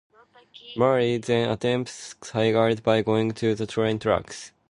Marie then attempts suicide by going to the train tracks.